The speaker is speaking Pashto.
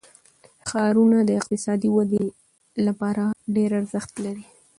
ښارونه د اقتصادي ودې لپاره ډېر ارزښت لري.